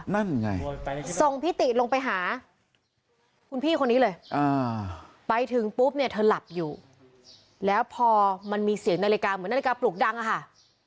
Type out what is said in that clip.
นั่นไงส่งพี่ติลงไปหา